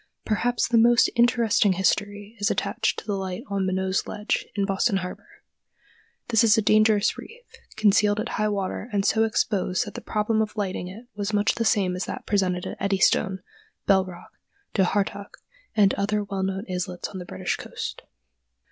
Perhaps the most interesting history is attached to the light on Minot's Ledge, in Boston harbor. This is a dangerous reef, concealed at high water and so exposed that the problem of lighting it was much the same as that presented at Eddystone, Bell Rock, Dhu Heartach, and other well known islets on the British coast.